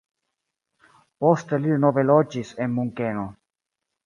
Poste li denove loĝis en Munkeno.